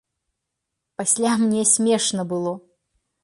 Пасля мне смешна было.